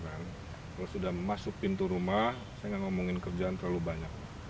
kalau sudah masuk pintu rumah saya nggak ngomongin kerjaan terlalu banyak